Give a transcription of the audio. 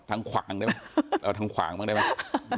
ทางขวางได้ไหมเอาทางขวางบ้างได้ไหม